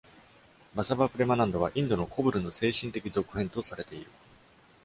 バサバ・プレマナンドは、インドのコブルの精神的続編とされている。